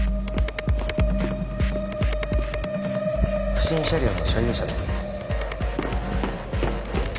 不審車両の所有者です